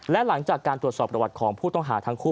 และหลังจากการตรวจสอบประวัติของผู้ต้องหาทั้งคู่